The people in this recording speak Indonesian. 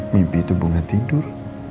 mimpi itu bunga tidur